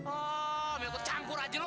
oh milik tuan cangkur aja loh